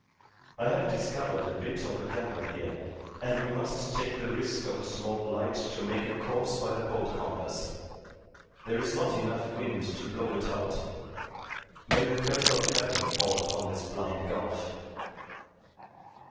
I have discovered a bit of a candle here, and we must take the risk of a small light to make a course by the boat compass. There is not enough wind to blow it out may the curse of Heaven fall upon this blind gulf!"